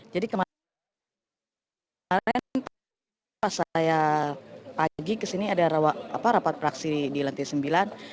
jadi kemarin pas saya pagi kesini ada rapat fraksi di lantai sembilan